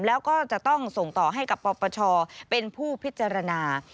แล้วก็จะต้องส่งต่อให้กับปปชเป็นผู้พิจารณา